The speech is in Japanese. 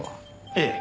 ええ。